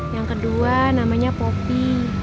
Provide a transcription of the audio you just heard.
yang kedua namanya poppy